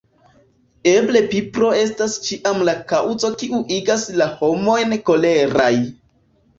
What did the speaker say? Eble pipro estas ĉiam la kaŭzo kiu igas la homojn koleraj.